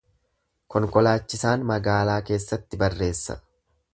Konkolaachisaan magaalaa keessatti barreessa.